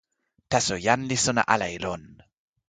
taso jan li sona ala e lon.